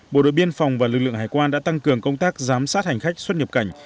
bộ đội biên phòng và lực lượng hải quan đã tăng cường công tác giám sát hành khách xuất nhập cảnh